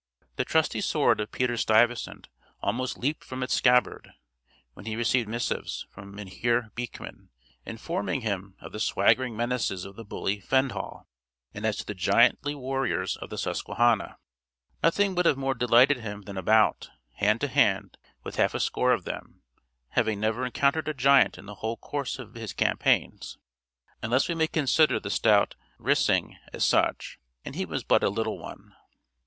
The trusty sword of Peter Stuyvesant almost leaped from its scabbard, when he received missives from Mynheer Beekman, informing him of the swaggering menaces of the bully Fendall; and as to the giantly warriors of the Susquehanna, nothing would have more delighted him than a bout, hand to hand, with half a score of them, having never encountered a giant in the whole course of his campaigns, unless we may consider the stout Risingh as such, and he was but a little one.